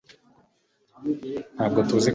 ntabwo tuzi karekezi